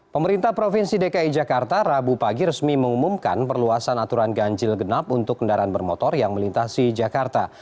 pemerintah provinsi dki jakarta rabu pagi resmi mengumumkan perluasan aturan ganjil genap untuk kendaraan bermotor yang melintasi jakarta